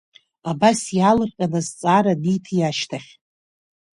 Абас иаалырҟьаны азҵаара аниҭи ашьҭахь?